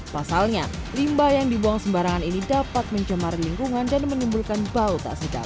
pasalnya limbah yang dibuang sembarangan ini dapat mencemari lingkungan dan menimbulkan bau tak sedap